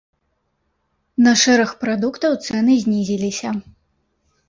На шэраг прадуктаў цэны знізіліся.